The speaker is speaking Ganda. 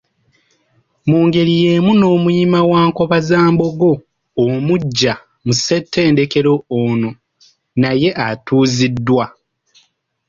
Mu ngeri y’emu n’Omuyima wa Nkobazambogo omuggya mu ssentedekero ono, naye atuuziddwa .